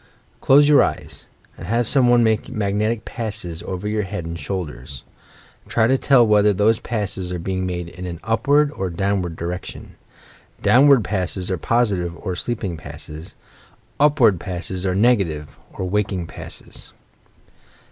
Close your eyes, and have some one make mag netic passes over your head and shoulders. Try to tell whether those passes are being made in an upward or downward direction. Downward passes are positive or sleeping passes; upward passes are negative or waking passes.